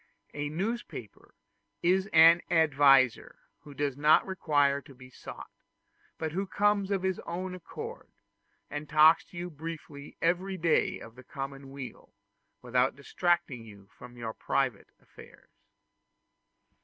A newspaper is an adviser who does not require to be sought, but who comes of his own accord, and talks to you briefly every day of the common weal, without distracting you from your private affairs.